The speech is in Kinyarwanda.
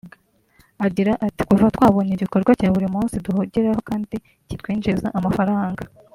Agira ati “Kuva twabonye igikorwa cya buri munsi duhugiraho kandi kitwinjiriza amafaranga